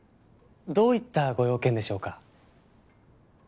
どういったご用件でしょうか？